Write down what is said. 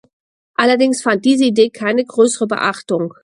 Allerdings fand diese Idee keine größere Beachtung.